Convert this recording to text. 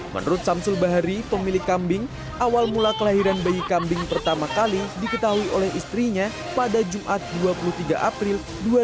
menurut samsul bahari pemilik kambing awal mula kelahiran bayi kambing pertama kali diketahui oleh istrinya pada jumat dua puluh tiga april dua ribu dua puluh